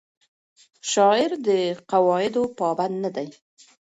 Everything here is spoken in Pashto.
شاعر د قواعدو پابند نه دی.